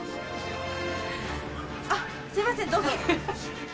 あ、すみません、どうぞ。